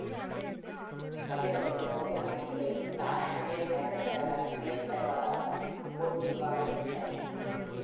பதிலுக்கு பொது மன்னிப்பையும் தானாகவே தரும் பல பரிசுகளையும் தருவதாக Porte வாக்களித்தார்.